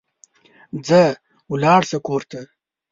ځه ولاړ سه کور ته